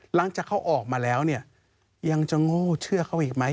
หลังจากเขาออกมาแล้วเนี่ยยังจะโง่เชื่อเขาอีกไหม